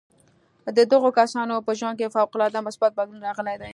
د دغو کسانو په ژوند کې فوق العاده مثبت بدلون راغلی دی